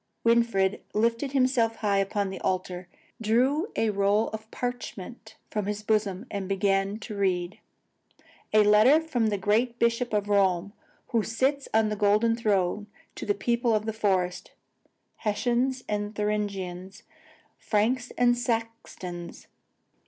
Winfried lifted himself high upon the altar, drew a roll of parchment from his bosom, and began to read. "A letter from the great Bishop of Rome, who sits on a golden throne, to the people of the forest, Hessians and Thuringians, Franks and Saxons.